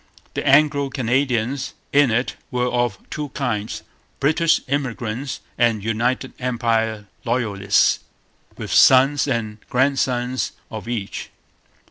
The Anglo Canadians in it were of two kinds: British immigrants and United Empire Loyalists, with sons and grandsons of each.